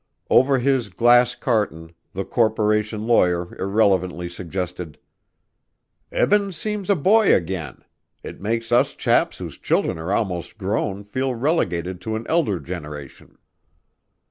Over his glass Carton, the corporation lawyer, irrelevantly suggested: "Eben seems a boy again. It makes us chaps whose children are almost grown, feel relegated to an elder generation."